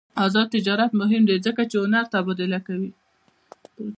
آزاد تجارت مهم دی ځکه چې هنر تبادله کوي.